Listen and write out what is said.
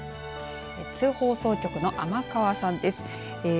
津放送局の天川さんです。